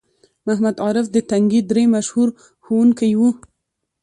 محمد عارف د تنگي درې مشهور ښوونکی وو